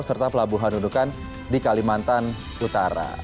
serta pelabuhan nundukan di kalimantan utara